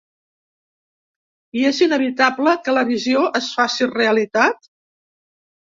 I és inevitable que la visió es faci realitat?